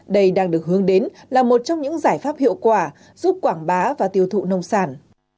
đây đang được hướng đến là một trong những giải pháp hiệu quả giúp quảng bá và tiêu thụ nông sản